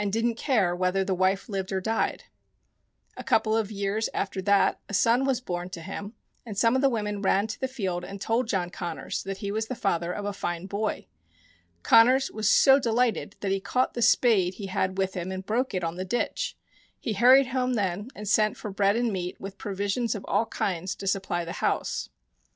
didn't care whether the wife lived or died. A couple of years after that a son was born to him, and some of the women ran to the field and told John Connors that he was the father of a fine boy. Connors was so delighted that he caught the spade he had with him and broke it on the ditch. He hurried home then and sent for bread and meat, with provisions of all kinds to supply the house.